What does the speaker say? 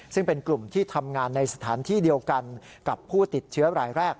ซึ่งเป็นกลุ่มที่ทำงานในสถานที่เดียวกันกับผู้ติดเชื้อรายแรก